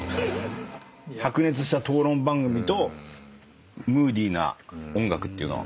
白熱した討論番組とムーディーな音楽っていう。